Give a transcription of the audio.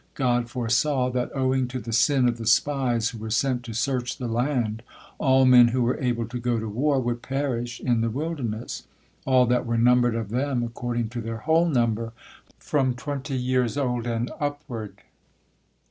God foresaw that, owing to the sin of the spies who were sent to search the land, all men who were able to go to war would perish in the wilderness, "all that were numbered of them, according to their whole number, from twenty years old and upward."